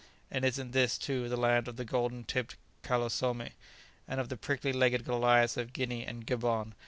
And isn't this, too, the land of the golden tipped calosomi? and of the prickly legged goliaths of Guinea and Gabon?